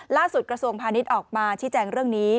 กระทรวงพาณิชย์ออกมาชี้แจงเรื่องนี้